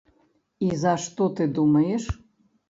І за што ты думаеш?